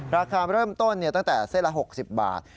ราคาเริ่มต้นตั้งแต่เส้นละ๖๐บาท